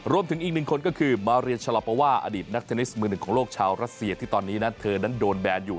รวมถึงอีกหนึ่งคนก็คือมาเรียชะลอปาว่าอดีตนักเทนนิสมือหนึ่งของโลกชาวรัสเซียที่ตอนนี้นะเธอนั้นโดนแบนอยู่